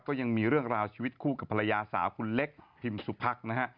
ก็ยังมีเรื่องราวชีวิตคู่กับภรรยาสาวคุณเล็กพิมสุพักนะฮะ